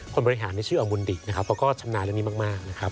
คนบริหารชื่ออมุนติกนะครับเขาก็ชำนาญเรื่องนี้มากนะครับ